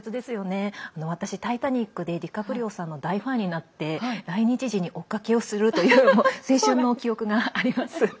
私、「タイタニック」でディカプリオさんの大ファンになって来日時に追っかけをするという青春の記憶があります。